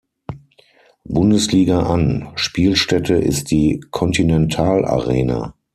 Bundesliga an; Spielstätte ist die Continental Arena.